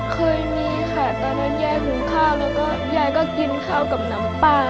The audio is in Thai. เคยมีค่ะตอนนั้นยายหุงข้าวแล้วก็ยายก็กินข้าวกับน้ำปลา